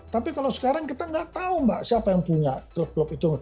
tapi kalau sekarang kita nggak tahu mbak siapa yang punya klub klub itu